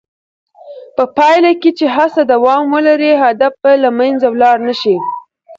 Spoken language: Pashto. په پایله کې چې هڅه دوام ولري، هدف به له منځه ولاړ نه شي.